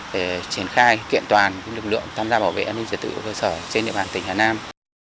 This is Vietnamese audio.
để triển khai kiện toàn lực lượng tham gia bảo vệ an ninh trật tự ở cơ sở trên địa bàn tỉnh hà nam